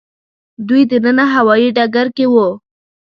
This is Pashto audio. دوی دننه هوايي ډګر کې وو.